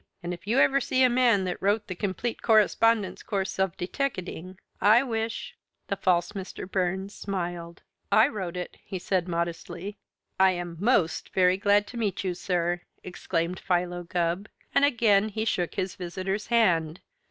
And if you ever see the man that wrote the 'Complete Correspondence Course of Deteckating,' I wish " The false Mr. Burns smiled. "I wrote it," he said modestly. "I am most very glad to meet you, sir!" exclaimed Philo Gubb, and again he shook his visitor's hand.